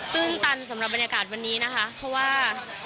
ตื่นตันสำหรับบรรยากาศวันนี้นะคะเพราะว่า